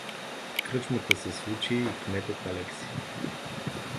В кръчмата се случи и кметът Алекси.